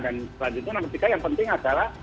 dan selanjutnya yang penting adalah